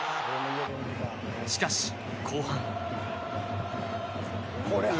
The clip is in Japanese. しかし、後半。